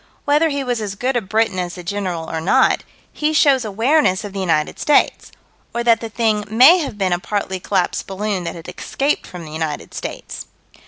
Whether he was as good a Briton as the General or not, he shows awareness of the United States or that the thing may have been a partly collapsed balloon that had escaped from the United States.